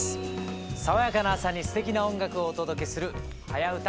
爽やかな朝にすてきな音楽をお届けする「はやウタ」。